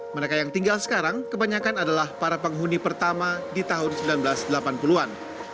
mereka yang tinggal sekarang kebanyakan adalah para penghuni pertama di tahun seribu sembilan ratus delapan puluh an